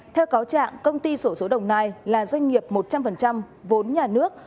theo cáo trạng công ty sổ số đồng nai là doanh nghiệp một trăm linh vốn nhà nước